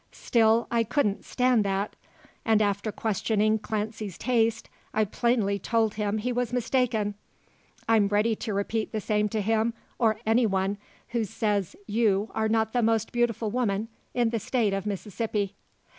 Still, I couldn't stand that; and, after questioning Clancy's taste, I plainly told him he was mistaken. I'm ready to repeat the same to him, or any one, who says you are not the most beautiful woman in the State of Mississippi."